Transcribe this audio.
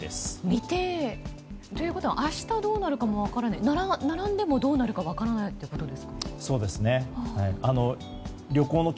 未定ということは明日どうなるかも並んでもどうなるか分からないってことですか？